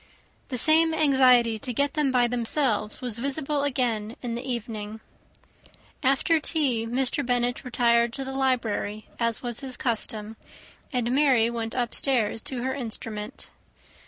The same anxiety to get them by themselves was visible again in the evening. After tea, Mr. Bennet retired to the library, as was his custom, and Mary went upstairs to her instrument.